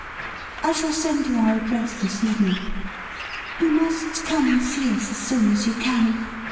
' I shall send you our address this evening. You must come and see us as soon as you can.